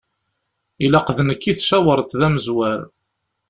Ilaq d nekk i tcawṛeḍ d amezwar.